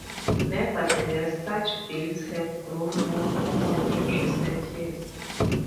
Nevertheless, such bills have grown more common in recent years.